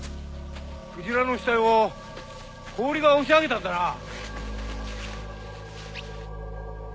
クジラの死体を氷が押し上げたんだなあ